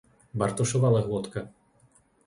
Bartošova Lehôtka